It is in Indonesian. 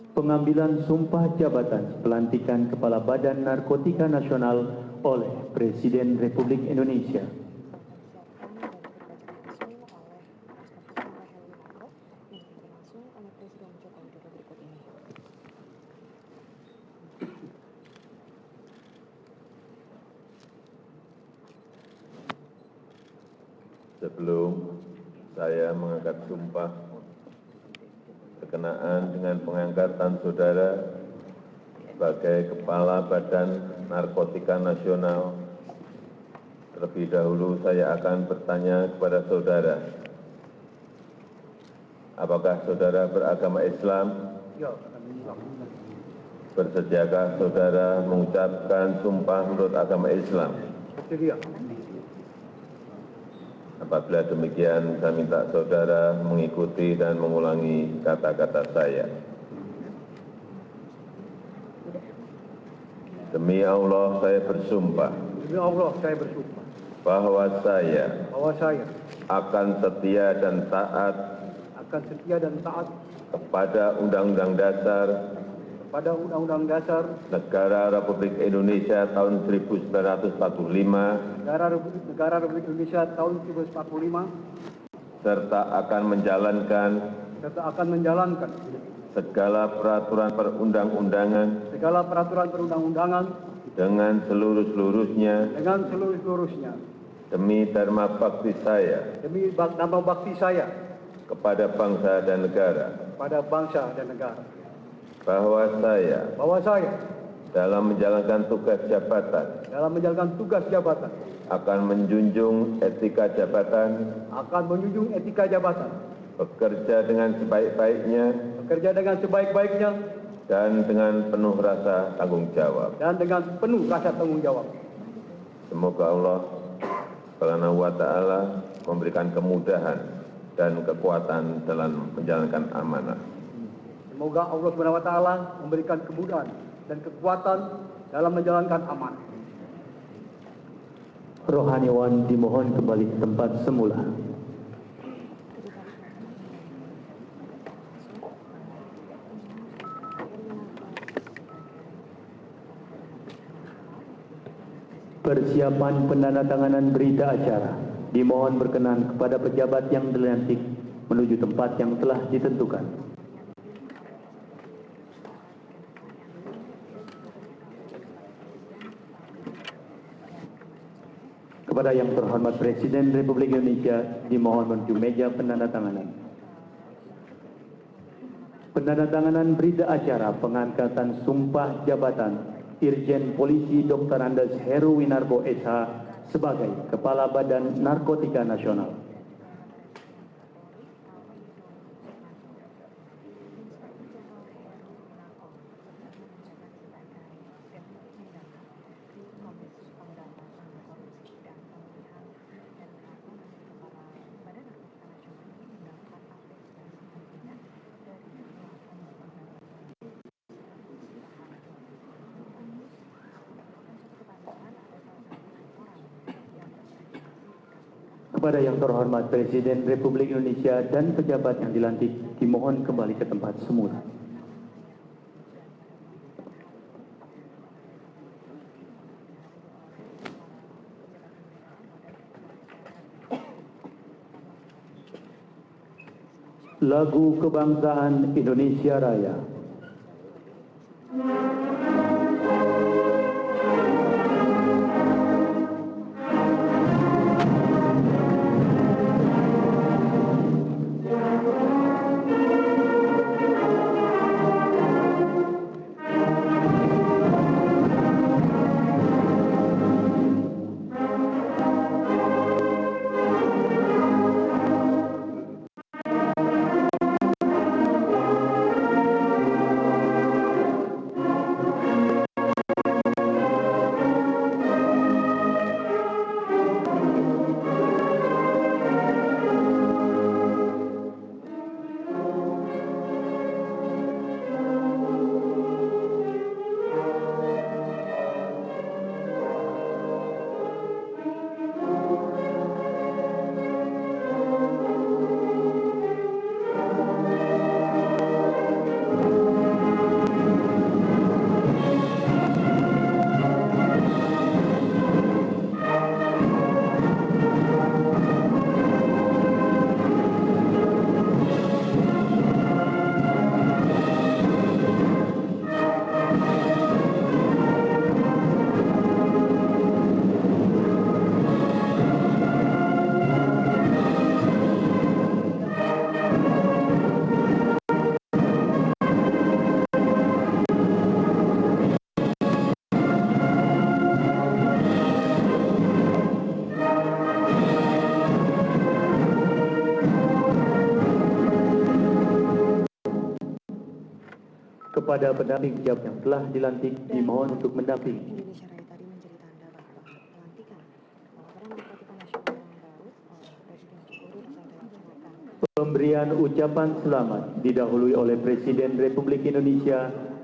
pengambilan sumpah jabatan pelantikan kepala badan narkotika nasional oleh presiden republik indonesia